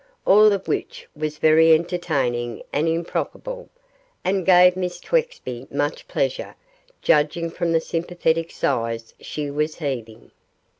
All of which was very entertaining and improbable, and gave Miss Twexby much pleasure, judging from the sympathetic sighs she was heaving.